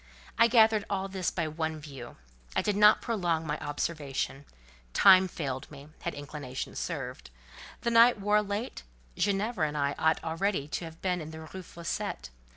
I gathered all this by one view. I did not prolong my observation—time failed me, had inclination served: the night wore late; Ginevra and I ought already to have been in the Rue Fossette.